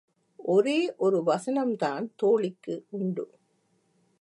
ஒரே ஒரு வசனம்தான் தோழிக்கு உண்டு.